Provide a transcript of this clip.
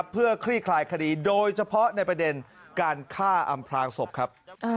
เพื่อคลี่คลายคดีโดยเฉพาะในประเด็นการฆ่าอำพลางศพครับ